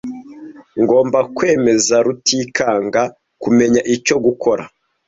Ngomba kwemeza Rutikanga kumenya icyo gukora.